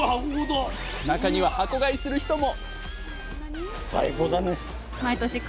中には箱買いする人も！